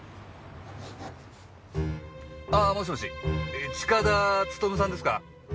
あぁもしもし近田勉さんですか？